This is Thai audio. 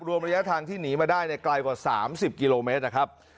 รวมระยะทางที่หนีมาได้ไกลกว่า๓๐กิโลเมตรนะครับ